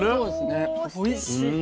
おいしい。